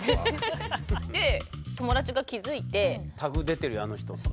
で友達が気づいて「タグ出てるよあの人」って？